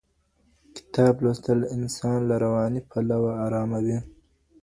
کتاب لوستل انسان له رواني پلوه اراموي.